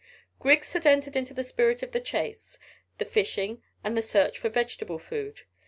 Griggs had entered into the spirit of the chase, the fishing and the search for vegetable food.